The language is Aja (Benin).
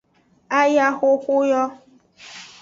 Ayaxoxo yo.